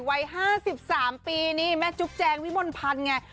วัย๕๓ปีนี่แม่จุ๊บแจงวิมลพันธ์ไง